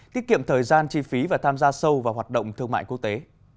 tiết kiệm thời gian chi phí và tham gia sâu vào hoạt động thương mại quốc tế